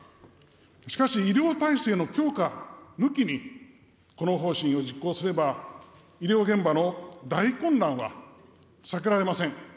しかし医療体制の強化抜きにこの方針を実行すれば、医療現場の大混乱は避けられません。